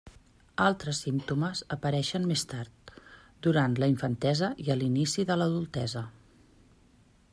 Altres símptomes apareixen més tard, durant la infantesa i a l'inici de l'adultesa.